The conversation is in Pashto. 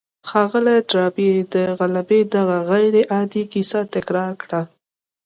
ښاغلي ډاربي د غلبې دغه غير عادي کيسه تکرار کړه.